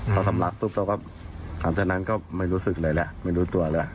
พอทำหลักตุ๊บตัวก็หลังจากนั้นก็ไม่รู้สึกเลยแล้วไม่รู้ตัวเลย